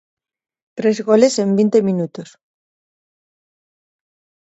Tres goles en vinte minutos.